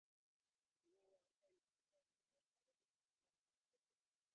তরুণের এই আবিষ্কার ইন্টারন্যাশনাল ইঞ্জিনিয়ারিং ইনোভেশন সামিটে চ্যাম্পিয়নের খেতাব এনে দিয়েছে।